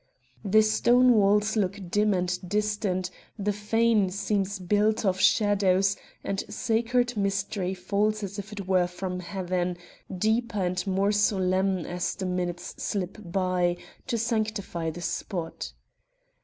The stone walls look dim and distant, the fane seems built of shadows, and sacred mystery falls as it were from heaven, deeper and more solemn as the minutes slip by, to sanctify the spot.